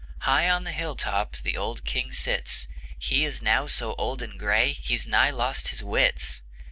High on the hill top The old King sits; He is now so old and gray He's nigh lost his wits.